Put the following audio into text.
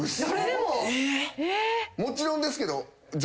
もちろんですけど。